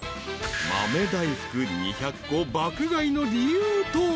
［豆大福２００個を爆買いの理由とは］